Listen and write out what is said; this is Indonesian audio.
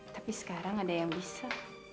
tapi sekarang ada yang bisa